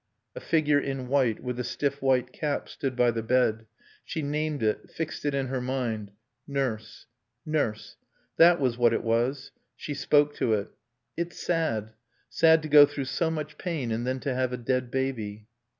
A figure in white, with a stiff white cap, stood by the bed. She named it, fixed it in her mind. Nurse. Nurse that was what it was. She spoke to it. "It's sad sad to go through so much pain and then to have a dead baby."